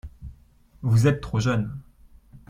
Vous êtes trop jeune.